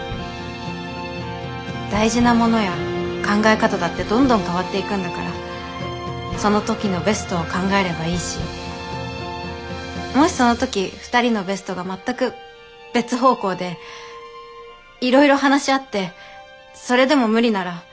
大事なものや考え方だってどんどん変わっていくんだからその時のベストを考えればいいしもしその時二人のベストが全く別方向でいろいろ話し合ってそれでも無理なら。